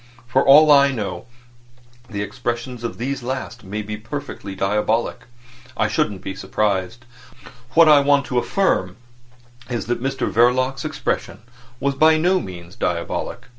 For all I know, the expression of these last may be perfectly diabolic. I shouldn't be surprised. What I want to affirm is that Mr Verloc's expression was by no means diabolic.